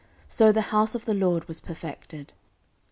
So the house of the LORD was perfected.